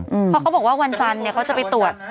เพราะเขาบอกว่าวันจันทร์เนี่ยเขาจะไปตรวจ